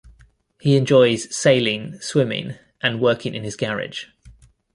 He enjoys sailing, swimming, and working in his garage.